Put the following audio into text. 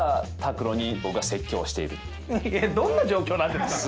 どんな状況なんですか？